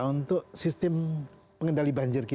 untuk sistem pengendali banjir kita